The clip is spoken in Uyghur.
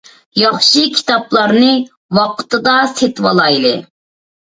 ياخشى كىتابلارنى ۋاقتىدا سېتىۋالايلى.